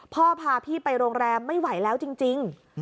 พาพี่ไปโรงแรมไม่ไหวแล้วจริง